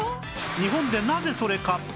日本でなぜそれ買った！？